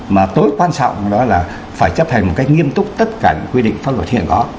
mà tối quan trọng đó là phải chấp hành một cách nghiêm túc tất cả những quy định pháp luật hiện có